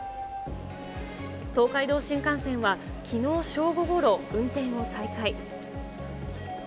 東海道新幹線はきのう正午ごろ、運転を再開。